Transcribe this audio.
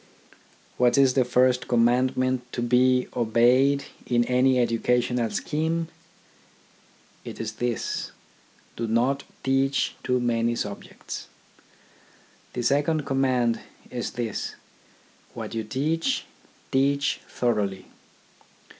What is the first commandment to be obeyed in any educational scheme ? It is this : Do not teach too many subjects. The second command is this : What you teach, teach thoroughly.